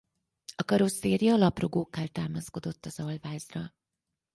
A karosszéria laprugókkal támaszkodott az alvázra.